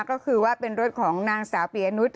ก็คือเป็นรถของนางสาวเปียนูท